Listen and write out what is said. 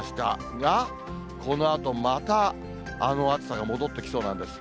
が、このあとまたあの暑さが戻ってきそうなんです。